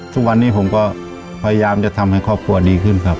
ทุกวันนี้ผมก็พยายามจะทำให้ครอบครัวดีขึ้นครับ